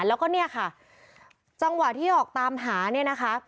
แล้วก็เนี่ยค่ะจังหวะที่ออกตามหาเนี่ยนะคะ